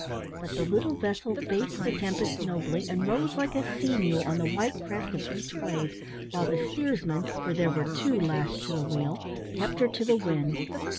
But the little vessel faced the tempest nobly, and rose like a sea mew on the white crest of each wave, while the steersmen for there were two lashed to the wheel kept her to the wind.